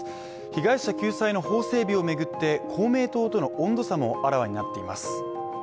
被害者救済の法整備を巡って公明党との温度差もあらわになっています。